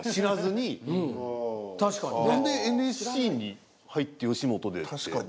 確かにな。何でＮＳＣに入って吉本でって。